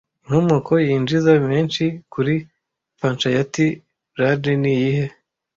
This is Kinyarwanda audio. Inkomoko yinjiza menshi kuri Panchayati Raj niyihe